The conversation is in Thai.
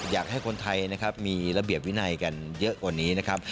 อยากให้คนไทยนะครับมีระเบียบวินัยกันเยอะกว่านี้นะครับ